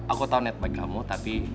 aku tau netbike kamu tapi